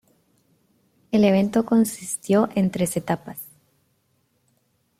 El evento consistió en tres etapas.